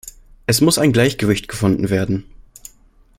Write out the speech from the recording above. Es muss ein Gleichgewicht gefunden werden.